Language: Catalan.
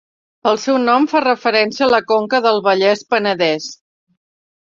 El seu nom fa referència a la conca del Vallès-Penedès.